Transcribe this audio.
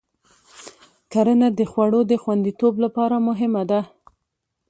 کرنه د خوړو د خوندیتوب لپاره مهمه ده.